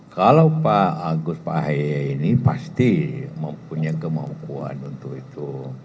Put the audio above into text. kalau pak agus pake ini pasti mempunyai kemampuan untuk itu